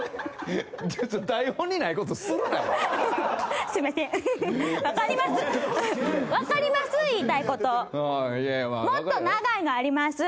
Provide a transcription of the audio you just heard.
台本にないこと、すなよ！